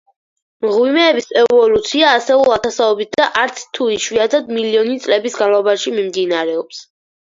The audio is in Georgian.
მღვიმეების ევოლუცია ასეულ ათასობით და, არც თუ იშვიათად, მილიონი წლების განმავლობაში მიმდინარეობს.